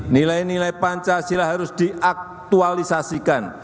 nilai nilai pancasila harus diaktualisasikan